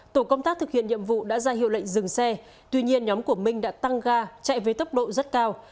tổ công tác thực hiện nhiệm vụ đã ra hiệu lệnh dừng xe tuy nhiên nhóm của minh đã tăng ga chạy với tốc độ rất cao